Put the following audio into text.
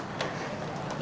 ibu cari siapa ya